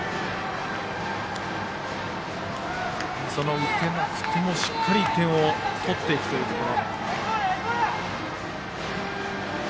打てなくても、しっかり点を取っていくというところ。